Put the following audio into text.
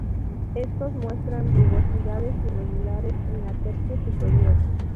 Estos muestran rugosidades irregulares en la tercio superior.